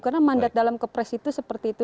karena mandat dalam kepres itu seperti itu